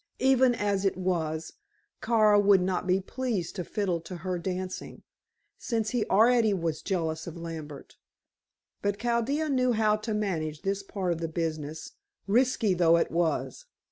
Even as it was, Kara would not be pleased to fiddle to her dancing, since he already was jealous of Lambert. But Chaldea knew how to manage this part of the business, risky though it was.